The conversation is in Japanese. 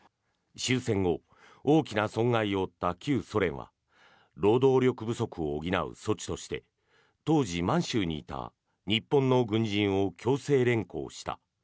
終戦後、大きな損害を負った旧ソ連は労働力不足を補う措置として当時、満州にいた日本の軍人を強制連行した。